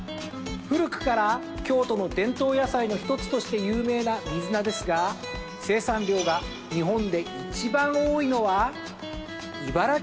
古くから京都の伝統野菜の一つとして有名な水菜ですが生産量が日本で一番多いのは茨城県なんです。